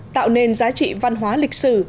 tạo nên giá trị văn hóa lịch sử